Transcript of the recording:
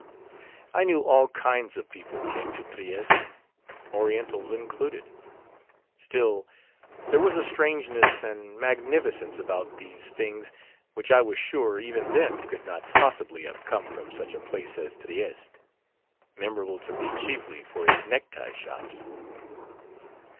I knew all kinds of people came to Trieste, Orientals included. Still, there was a strangeness and magnificence about these things which I was sure even then could not possibly have come from such a place as Trieste, memorable to me chiefly for its necktie shops.